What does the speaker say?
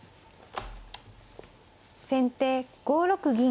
先手５六銀。